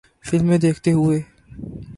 فلمیں دیکھتے ہوئے